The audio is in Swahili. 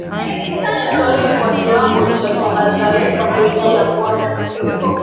Kiswahili kwa kiwango cha kimataifa Kuingia kwa